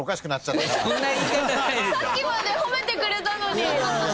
さっきまで褒めてくれたのに！